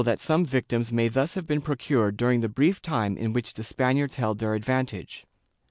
67. Chap I] PORTUOUESE JEWS 279 may thus have been procured during the brief time in which the Spaniards held their advantage.